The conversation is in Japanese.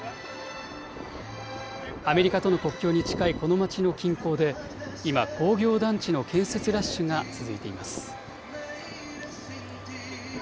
アメリカとの国境に近いこの街の近郊で、今、工業団地の建設ラッシュが続いています。